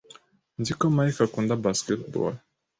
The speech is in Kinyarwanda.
Nzi ko Mike akunda basketball.